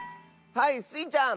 はいスイちゃん！